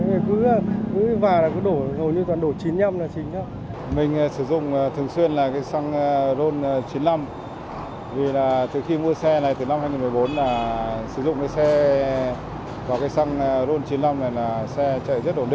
vì là từ khi mua xe này từ năm hai nghìn một mươi bốn là sử dụng cái xe có cái xăng ron chín mươi năm này là xe chạy rất ổn định